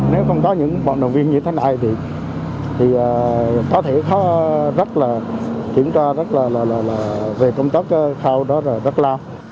nếu không có những bọn đồng viên như thế này thì có thể khó rất là kiểm tra rất là là là về công tác kháu đó là rất là